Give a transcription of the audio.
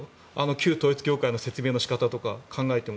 旧統一教会の説明の仕方とか考えても。